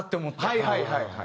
はいはいはいはい。